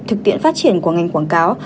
thực tiễn phát triển của ngành quảng cáo